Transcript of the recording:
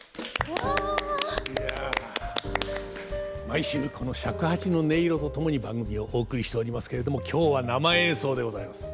毎週この尺八の音色と共に番組をお送りしておりますけれども今日は生演奏でございます。